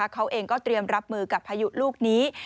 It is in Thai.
เขาเองก็เตรียมรับมือกับพายุลูกนี้